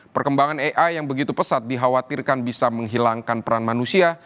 perkembangan ai yang begitu pesat dikhawatirkan bisa menghilangkan peran manusia